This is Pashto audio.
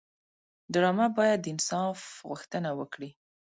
ډرامه باید د انصاف غوښتنه وکړي